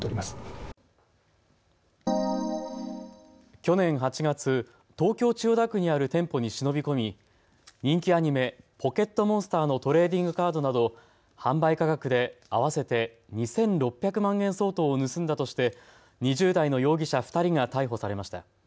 去年８月、東京千代田区にある店舗に忍び込み人気アニメ、ポケットモンスターのトレーディングカードなど販売価格で合わせて２６００万円相当を盗んだとして２０代の容疑者２人が逮捕されました。